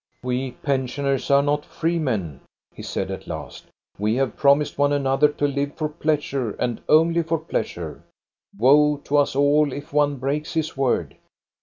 " We pensioners are not free men," he said at last We have promised one another to live for pleasure, and only for pleasure. Woe to us all if one breaks his word